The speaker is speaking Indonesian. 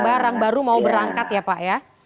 barang baru mau berangkat ya pak ya